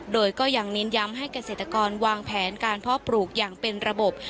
โดยก็ยังเน้นย้ำให้เกษตรกรวางแผนการเพาะปลูกอย่างเป็นระบบ